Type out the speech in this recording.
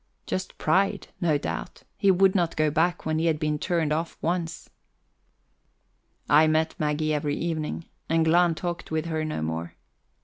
Just pride, no doubt; he would not go back when he had been turned off once. I met Maggie every evening, and Glahn talked with her no more.